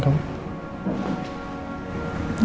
kau bangun kam